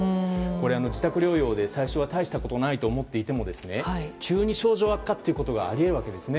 自宅療養で最初は大したことないと思っていても急に症状悪化ということがあり得るわけです。